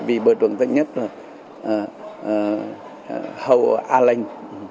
vì bộ trưởng tên nhất là hậu a lanh